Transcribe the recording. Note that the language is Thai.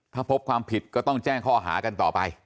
ถ้าพบความผิดก็ต้องแจ้งข้อหากันต่อไป